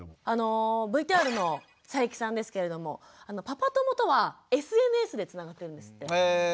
ＶＴＲの佐伯さんですけれどもパパ友とはＳＮＳでつながってるんですって。